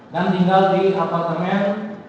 dan tinggal di apartemen